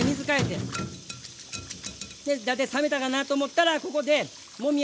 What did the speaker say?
で大体冷めたかなと思ったらここでもみ洗いする。